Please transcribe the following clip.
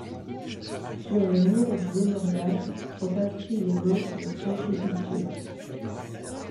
Sur le mur du mémorial sont inscrits les noms de sans sépulture.